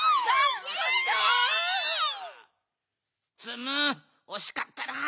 ツムおしかったな。